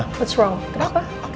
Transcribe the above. apa yang salah